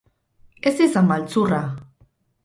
Ez izan maltzurra!